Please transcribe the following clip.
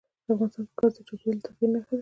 افغانستان کې ګاز د چاپېریال د تغیر نښه ده.